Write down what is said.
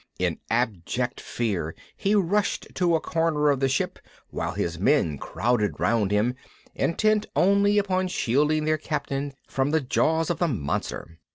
In abject fear he rushed to a corner of the ship while his men crowded round him, intent only upon shielding their captain from the jaws of the monster.